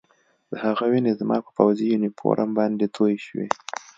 د هغه وینې زما په پوځي یونیفورم باندې تویې شوې